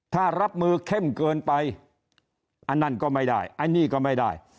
ถ้ารับมือเข้มเกินไปอันนั้นก็ไม่ได้อันนี้ก็ไม่ได้